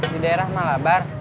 di daerah malabar